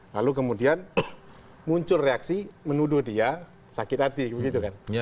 lalu kemudian muncul reaksi menuduh dia sakit hati begitu kan